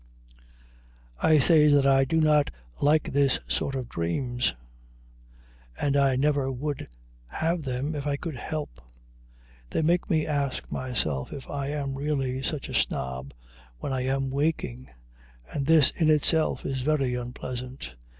I say that I do not like this sort of dreams, and I never would have them if I could help. They make me ask myself if I am really such a snob when I am waking, and this in itself is very unpleasant.